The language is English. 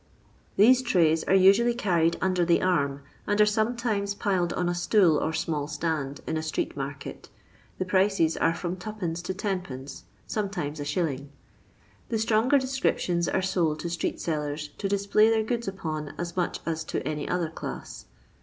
These trays are usually carried under the arm, and are sometimes piled on a stool or small stanil, in a street market. The prices are from 2d. to 10<2., sometimes Is. The stronger descrip tions ate sold to street sellers to display their goods upon, as much as to any other class.